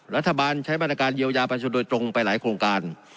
รัฐบาลใช้มาตรการเยียวยาประชาชนโดยตรงไปหลายโครงการ